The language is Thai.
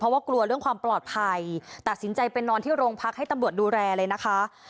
ว่ากลัวเรื่องความปลอดภัยตัดสินใจไปนอนที่โรงพักให้ตำรวจดูแลเลยนะคะ